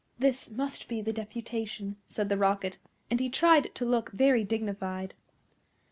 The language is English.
"This must be the deputation," said the Rocket, and he tried to look very dignified.